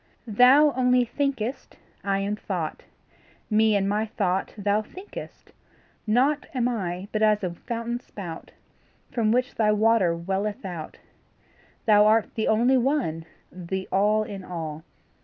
Thou only thinkest I am thought; Me and my thought thou thinkest. Nought Am I but as a fountain spout From which thy water welleth out. Thou art the only One, the All in all.